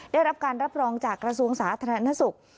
ได้รับการรับรองจากกระทรวงสาธารณสุข